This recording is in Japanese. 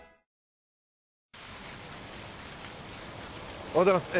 おはようございます。